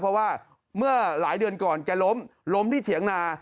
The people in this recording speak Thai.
เพราะว่าเมื่อหลายเดือนก่อนแกล้มล้มที่เถียงนา